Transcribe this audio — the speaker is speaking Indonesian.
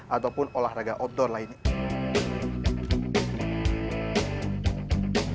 ataupun olahraga outdoor lainnya